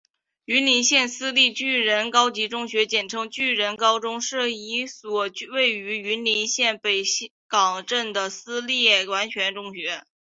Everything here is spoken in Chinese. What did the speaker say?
云林县私立巨人高级中学简称巨人高中是一所位于云林县北港镇的私立完全中学。